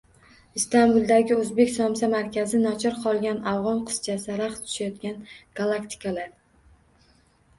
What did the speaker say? Istanbuldagi o‘zbek somsa markazi, nochor qolgan afg‘on qizchasi, raqs tushayotgan galaktikalar